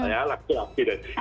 ya laku laku gitu